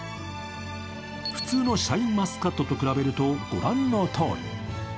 普通のシャインマスカットと比べると、御覧のとおり。